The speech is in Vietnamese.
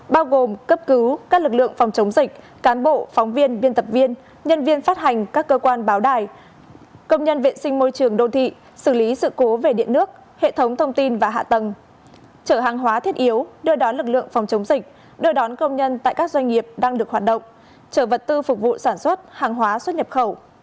bao gồm cấp cứu các lực lượng phòng chống dịch cán bộ phóng viên viên tập viên nhân viên phát hành các cơ quan báo đài công nhân vệ sinh môi trường đô thị xử lý sự cố về điện nước hệ thống thông tin và hạ tầng trở hàng hóa thiết yếu đưa đón lực lượng phòng chống dịch đưa đón công nhân tại các doanh nghiệp đang được hoạt động trở vật tư phục vụ sản xuất hàng hóa xuất nhập khẩu